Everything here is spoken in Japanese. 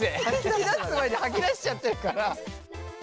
聞き出す前に吐き出しちゃってるから。